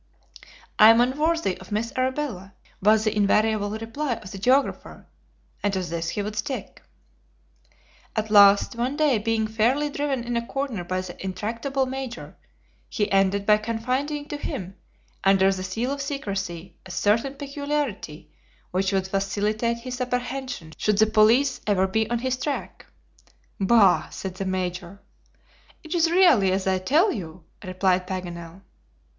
"I am unworthy of Miss Arabella," was the invariable reply of the geographer. And to this he would stick. At last, one day being fairly driven in a corner by the intractable Major, he ended by confiding to him, under the seal of secrecy, a certain peculiarity which would facilitate his apprehension should the police ever be on his track. "Bah!" said the Major. "It is really as I tell you," replied Paganel.